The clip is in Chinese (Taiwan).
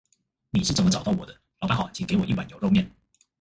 你是怎麼找到我的？老闆好，請給我一碗牛肉麵